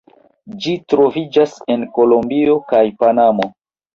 Ĝi troviĝas en Kolombio kaj Panamo.